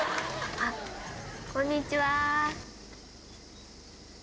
あっ、こんにちは。